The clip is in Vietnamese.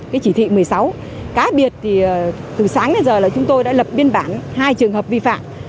cái chỉ thị một mươi sáu cá biệt thì từ sáng đến giờ là chúng tôi đã lập biên bản hai trường hợp vi phạm